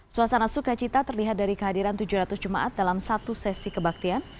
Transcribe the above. suasana sukacita terlihat dari kehadiran tujuh ratus jemaat dalam satu sesi kebaktian